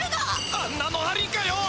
あんなのありかよ！